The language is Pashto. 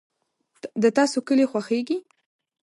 د تاسو کلي خوښیږي؟